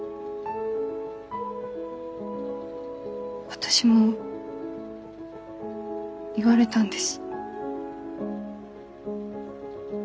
私も言われたんです。